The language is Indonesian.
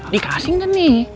dikasih kan nih